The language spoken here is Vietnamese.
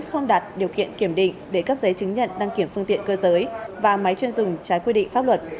không đặt điều kiện kiểm định để cấp giấy chứng nhận đăng kiểm phương tiện cơ giới và máy chuyên dùng trái quy định pháp luật